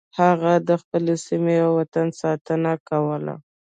هغه د خپلې سیمې او وطن ساتنه کوله.